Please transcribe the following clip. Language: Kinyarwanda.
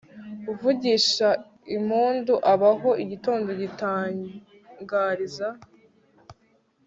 Uvugisha impundu abaho igitondo gitangariza